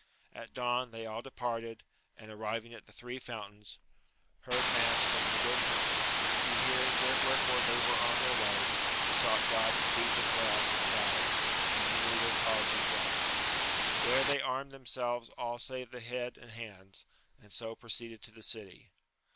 At dawn they all departed ; and arriving at the Three Fountaiaa, Yi^^diTsi^'ai^^^Ki*^^ 236 AMADIS OF GAUL. good hermit) who hearing wherefore they were on their way, besought God to speed them well in the battle, as he knew their cause was right. There they armed themselves all save the head and hands, and so proceeded to the city.